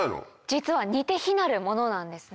実は似て非なるものなんですね。